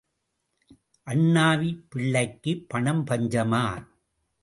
அண்ணாவி பிள்ளைக்குப் பணம் பஞ்சமா?